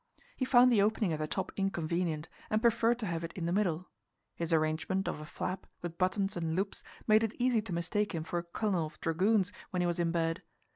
He found the opening at the top inconvenient, and preferred to have it in the middle; his arrangement of a flap, with buttons and loops, made it easy to mistake him for a colonel of dragoons when he was in bed.